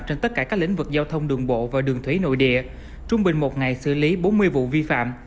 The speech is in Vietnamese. trên tất cả các lĩnh vực giao thông đường bộ và đường thủy nội địa trung bình một ngày xử lý bốn mươi vụ vi phạm